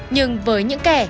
nhưng với những kẻ